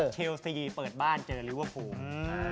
เชลซีเปิดบ้านเจอลิเวอร์ฟูล